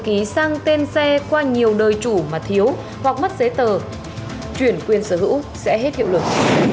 ký sang tên xe qua nhiều đời chủ mà thiếu hoặc mất giấy tờ chuyển quyền sở hữu sẽ hết hiệu lực